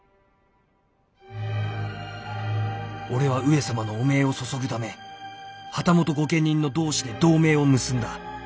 俺は上様の汚名を雪ぐため旗本御家人の同志で同盟を結んだ。